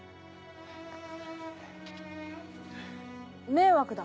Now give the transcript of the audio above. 迷惑だ。